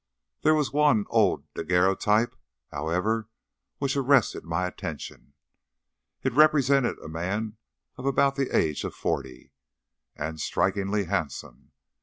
There was one old daguerreotype, however, which arrested my attention. It represented a man of about the age of forty, and strikingly handsome.